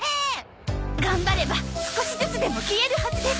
頑張れば少しずつでも消えるはずです。